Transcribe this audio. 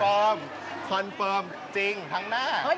คอนเฟิร์มคอนเฟิร์มจริงทั้งหน้า